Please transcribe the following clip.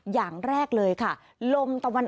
อย่างแรกเลยค่ะ